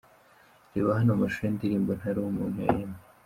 Reba hano amashusho y'indirimbo "Ntari umuntu" ya Emmy.